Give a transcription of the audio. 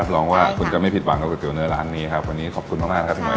แอบร้องว่าคุณจะไม่ผิดหวังแล้วกับเกลียวเนื้อร้านนี้ครับวันนี้ขอบคุณมากมากครับพี่หมอยครับ